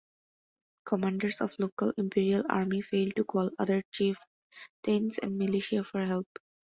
Commanders of local imperial army failed to call other chieftains and militia for help.